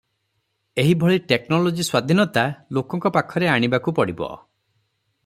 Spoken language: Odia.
ଏହିଭଳି ଟେକନୋଲୋଜି ସ୍ୱାଧୀନତା ଲୋକଙ୍କ ପାଖରେ ଆଣିବାକୁ ପଡ଼ିବ ।